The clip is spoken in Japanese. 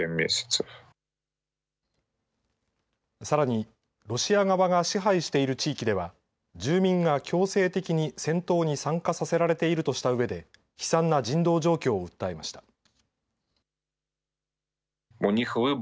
さらに、ロシア側が支配している地域では住民が強制的に戦闘に参加させられているとしたうえで悲惨な人道状況を訴えました。